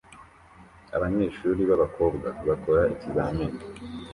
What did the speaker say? Abanyeshuri b'abakobwa bakora ikizamini